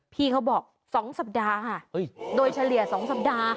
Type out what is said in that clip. พี่เขาบอก๒สัปดาห์ค่ะโดยเฉลี่ย๒สัปดาห์